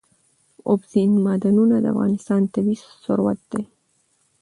اوبزین معدنونه د افغانستان طبعي ثروت دی.